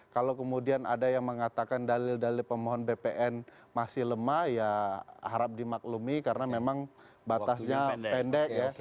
kalau kemudian ada yang mengatakan dalil dalil pemohon bpn masih lemah ya harap dimaklumi karena memang batasnya pendek ya